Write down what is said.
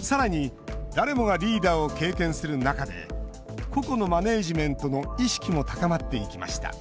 さらに、誰もがリーダーを経験する中で個々のマネージメントの意識も高まっていきました。